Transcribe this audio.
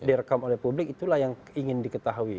direkam oleh publik itulah yang ingin diketahui